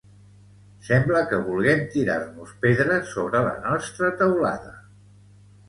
Sembla que vulguem tirar-nos pedres sobre la nostra teulada.